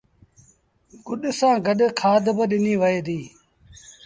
گُڏ سآݩ گڏ کآڌ با ڏنيٚ وهي ديٚ